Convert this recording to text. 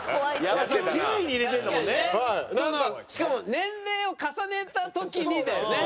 しかも年齢を重ねた時にだよね。